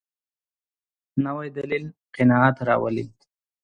نوی دلیل قناعت راولي